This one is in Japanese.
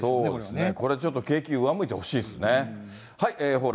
そうですね、これ、ちょっと景気上向いてほしいですね。